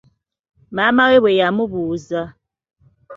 Maama we bwe yamubuuza.